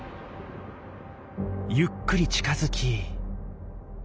ゆっくり近づき。